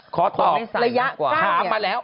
ขอตอบขามาแล้ว